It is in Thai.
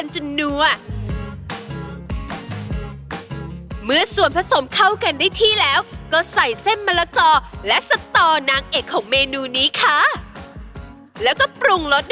เจ๊แม่มเป็นคนคิด